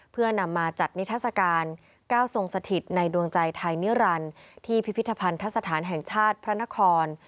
เพื่อนำมาจัดนิทัศกาล๙ทรงสถิตในดวงใจไทยนิรันดิ์ที่พิพิธภัณฑสถานแห่งชาติพระนคร